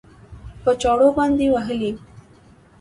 په چاړو باندې وهلى؟